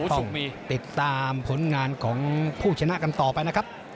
ติดตามผลงานของผู้ชนะกันต่อไปนะครับ